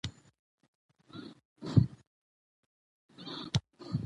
مصنوعي ځرکتيا به پښتو ته سه ورکړٸ